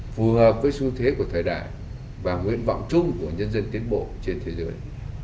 phù hợp với xu thế của thời đại và nguyện vọng chung của nhân dân tiến bộ trên thế giới